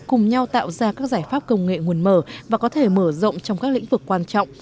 cùng nhau tạo ra các giải pháp công nghệ nguồn mở và có thể mở rộng trong các lĩnh vực quan trọng